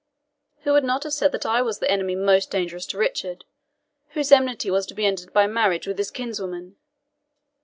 Who would not have said that I was that enemy most dangerous to Richard, whose enmity was to be ended by marriage with his kinswoman?